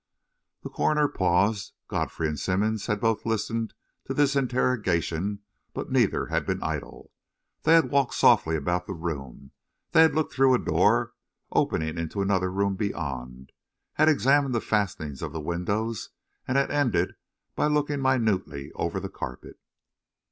The coroner paused. Godfrey and Simmonds had both listened to this interrogation, but neither had been idle. They had walked softly about the room, had looked through a door opening into another room beyond, had examined the fastenings of the windows, and had ended by looking minutely over the carpet.